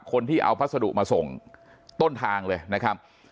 คนที่เอาพัสดุมาส่งต้นทางเลยนะครับ